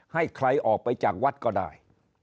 ให้ใครออกไปจากวัดก็ได้